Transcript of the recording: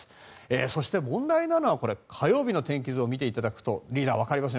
そして、問題なのは火曜日の天気図を見ていただくとリーダーわかりますね